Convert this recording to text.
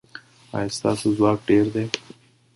ایا ستاسو ځواک ډیر دی؟